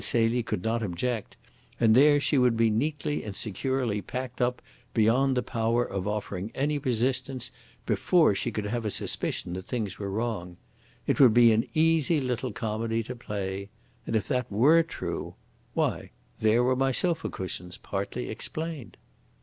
Celie could not object, and there she would be neatly and securely packed up beyond the power of offering any resistance, before she could have a suspicion that things were wrong. It would be an easy little comedy to play. And if that were true why, there were my sofa cushions partly explained."